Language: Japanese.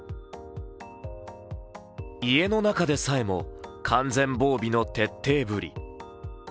家の中でさえも完全防備の徹底ぶり。